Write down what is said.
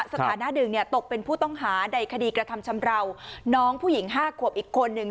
สถานะหนึ่งตกเป็นผู้ต้องหาในคดีกระทำชำราวน้องผู้หญิง๕ขวบอีกคนนึง